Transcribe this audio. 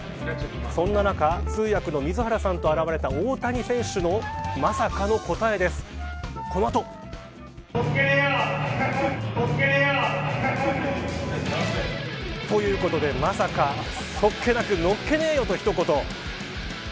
そんな中、通訳の水原さんと現れた大谷選手のまさかの答えです。ということで、まさかそっけなくのっけねーよと一言。